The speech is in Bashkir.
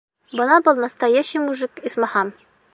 Бына был настоящий мужик, исмаһам!